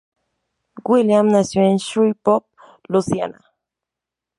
Williams nació en Shreveport, Luisiana.